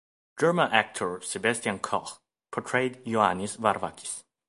German actor Sebastian Koch portrayed Ioannis Varvakis.